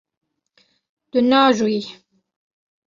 Tu naajoyî.